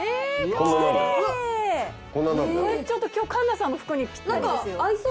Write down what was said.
これちょっと今日環奈さんの服にぴったりですよ。